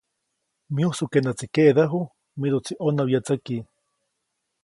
Myujsu ke näʼtsi keʼdäju, miduʼtsi ʼonäwyätsäki.